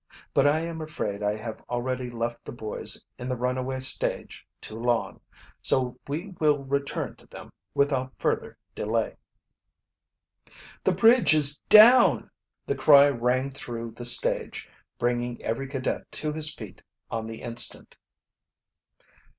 But I am afraid I have already left the boys in the runaway stage too long, so we will return to them without further delay. "The bridge is down!" The cry rang through the stage, bringing every cadet to his feet on the instant.